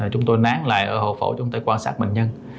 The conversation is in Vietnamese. chúng tôi nán lại ở hộp phẫu chúng tôi quan sát bệnh nhân